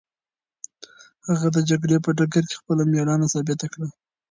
هغه د جګړې په ډګر کې خپله مېړانه ثابته کړه.